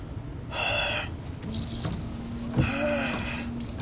はあ！